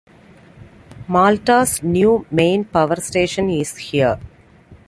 Malta's new main power station is here.